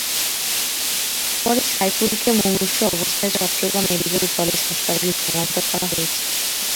পরে সাইফুলকে মুমূর্ষু অবস্থায় চট্টগ্রাম মেডিকেল কলেজ হাসপাতালে স্থানান্তর করা হয়েছে।